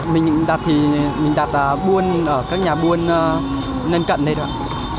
mình đặt thì mình đặt buôn ở các nhà buôn lên cận đây thôi